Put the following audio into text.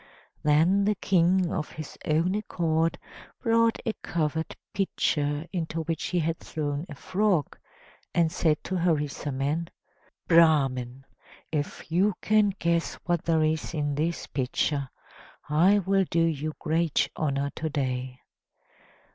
Then the King of his own accord brought a covered pitcher into which he had thrown a frog, and said to Harisarman: "Brahman, if you can guess what there is in this pitcher, I will do you great honor to day."